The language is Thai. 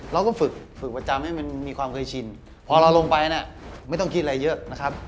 เราก็ฝึกฝึกประจำให้มันมีความเคยชินพอเราลงไปเนี่ยไม่ต้องคิดอะไรเยอะนะครับ